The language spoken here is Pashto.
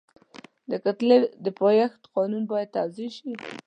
د کتلې د پایښت قانون باید توضیح شي.